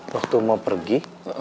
waktu mau pergi